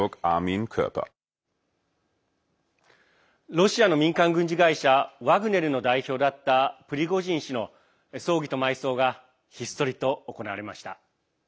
ロシアの民間軍事会社ワグネルの代表だったプリゴジン氏の葬儀と埋葬がひっそりと行われました。